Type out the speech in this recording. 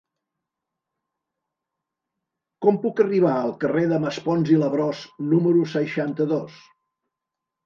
Com puc arribar al carrer de Maspons i Labrós número seixanta-dos?